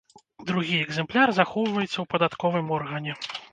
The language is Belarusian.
Другі экземпляр захоўваецца ў падатковым органе.